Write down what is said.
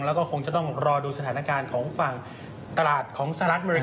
แล้วก็คงจะต้องรอดูสถานการณ์ของฝั่งตลาดของสหรัฐอเมริ